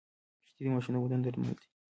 شیدې د ماشوم د بدن درمل دي